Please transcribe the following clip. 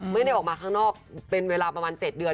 ไม่ได้ออกมาข้างนอกเป็นเวลาประมาณ๗เดือน